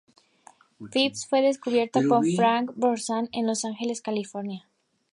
Phipps fue descubierta por Frank Borzage en Los Ángeles, California.